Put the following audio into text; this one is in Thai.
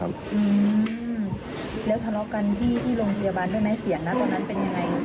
อืมแล้วทะเลาะกันที่ที่โรงพยาบาลด้วยไหมเสียงนะตอนนั้นเป็นยังไง